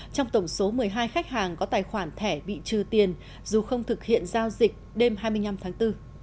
trong tổng số một mươi hai khách hàng có tài khoản thẻ bị trừ tiền dù không thực hiện giao dịch đêm hai mươi năm tháng bốn